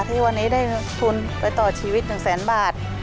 ที่วันนี้ได้ทุนไปต่อชีวิต๑แสนบาท